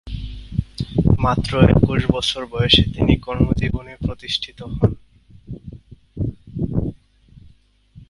মাত্র একুশ বছর বয়সে তিনি কর্মজীবনে প্রতিষ্ঠিত হন।